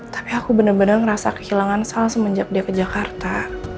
tapi aku bener bener ngerasa kehilangan sal semenjak dia ke jakarta